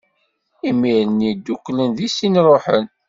Imir-nni, dduklen di sin, ṛuḥen.